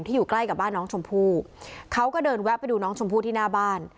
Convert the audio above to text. อยู่ใกล้กับบ้านน้องชมพู่เขาก็เดินแวะไปดูน้องชมพู่ที่หน้าบ้าน